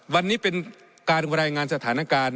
วันนี้เป็นการรายงานสถานการณ์